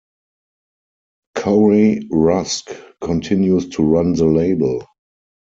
Corey Rusk continues to run the label.